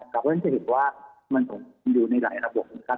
แล้วมันจะเห็นว่ามันคงอยู่ในหลายระบบ